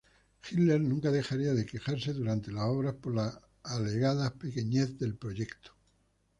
Hitler nunca dejaría de quejarse durante las obras por la alegada pequeñez del proyecto.